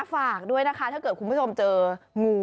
ฝากด้วยนะคะถ้าเกิดคุณผู้ชมเจองู